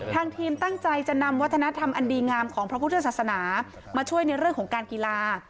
ทางทีมตั้งใจจะนำวัฒนธรรมอันดีงามของพระพุทธศาสนามาช่วยในเรื่องของการกีฬา